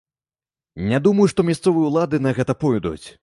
Не думаю, што мясцовыя ўлады на гэта пойдуць.